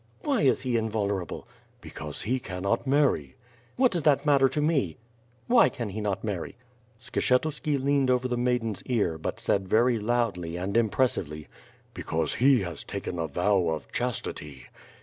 "Why is he invulnerable?" "Because he cannot marry." "What does that matter to me? Why can he not marry?" Skshetuski leaned over the maiden's ear, but said very loudly and impressively: "Because he has taken a vow of chastity."